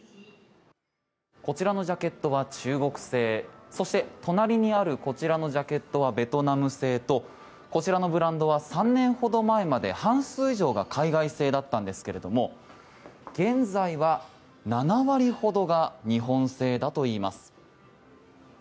こちらのジャケットは中国製そして、隣にあるこちらのジャケットはベトナム製とこちらのブランドは３年ほど前まで半数以上が海外製だったんですけれども現在は７割ほどが日本製だといいます。